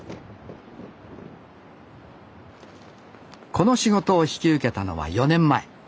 この仕事を引き受けたのは４年前。